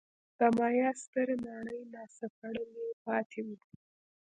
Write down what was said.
د مایا سترې ماڼۍ ناسپړلي پاتې وو.